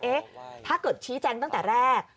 ถ้าเกิดชี้แจงตั้งแต่แรก